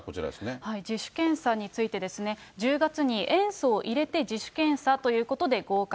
自主検査についてですね、１０月に塩素を入れて自主検査ということで合格。